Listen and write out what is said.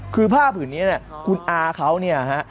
คือผ้าผืนนี้เนี่ยคุณอาเขาเนี่ยฮะ